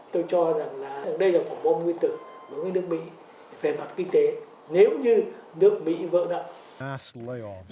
tôi cho rằng đây là một bóng nguyên tử đối với nước mỹ về mặt kinh tế